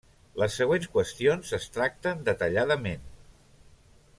Les següents qüestions es tracten detalladament.